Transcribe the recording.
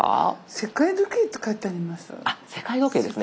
「世界時計」って書いてあります。